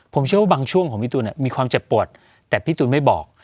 ผมเชื่อว่าบางช่วงของพี่ตูนมีความเจ็บปวดแต่พี่ตูนไม่บอก